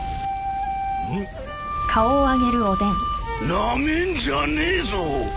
なめんじゃねえぞ！